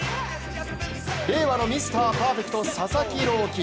令和のミスターパーフェクト佐々木朗希。